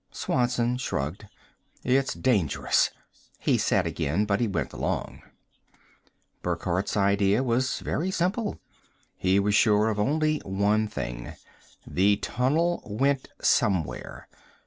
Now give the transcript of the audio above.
Swanson shrugged. "It's dangerous," he said again. But he went along. Burckhardt's idea was very simple. He was sure of only one thing the tunnel went somewhere.